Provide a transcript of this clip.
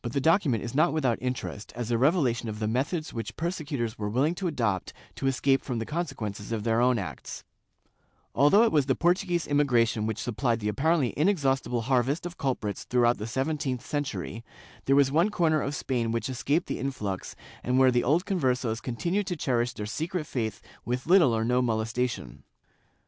I] THE MALLOBQUIN TRIBUNAL 306 document is not without interest as a revelation of the methods which persecutors were wiUing to adopt to escape from the conse quences of their own acts/ Although it was the Portuguese immigration which supplied the apparently inexhaustible harvest of culprits throughout the seventeenth century, there was one corner of Spain which escaped the influx and where the old Converses continued to cherish their secret faith with little or no molestation.